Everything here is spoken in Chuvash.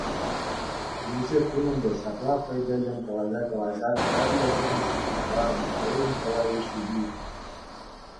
Темиҫе кун ӗнтӗ ҫапла хӑй тӗллӗн калаҫа-калаҫа тӗрлӗ шухӑш шухӑшларӗ Михаил Николаевич Убиев.